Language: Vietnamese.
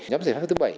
nhóm giải pháp thứ bảy